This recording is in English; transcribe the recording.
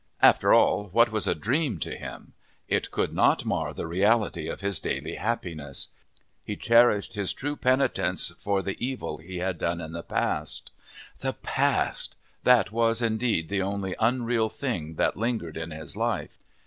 After all, what was a dream to him? It could not mar the reality of his daily happiness. He cherished his true penitence for the evil he had done in the past. The past! That was indeed the only unreal thing that lingered in his life.